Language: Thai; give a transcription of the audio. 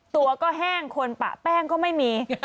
ตัวก็แห้งคนปะแป้งก็ไม่มี